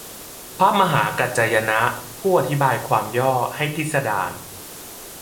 พระมหากัจจายนะ ผู้อธิบายความย่อให้พิสดาร